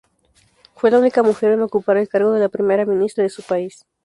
Fue la única mujer en ocupar el cargo de primera ministra de su país.